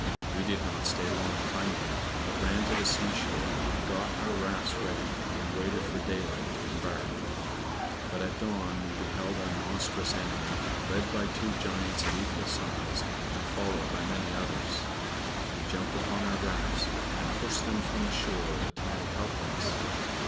We did not stay long behind him, but ran to the seashore, got our rafts ready, and waited for daylight to embark. But at dawn we beheld our monstrous enemy, led by two giants of equal size, and followed by many others. We jumped upon our rafts, and pushed them from the shore, the tide helping us.